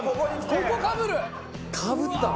ここかぶる？